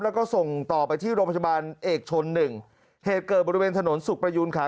แล้วก็ส่งต่อไปที่โรงพยาบาลเอกชนหนึ่งเหตุเกิดบริเวณถนนสุขประยูนขา